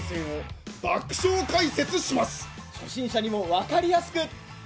初心者にも分かりやすく！